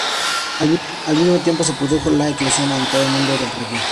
Al mismo tiempo, se produjo la eclosión, en todo el mundo del reggae.